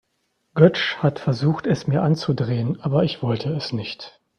Götsch hat versucht, es mir anzudrehen, aber ich wollte es nicht.